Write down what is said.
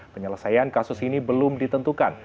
penyelesaian kasus ini belum ditentukan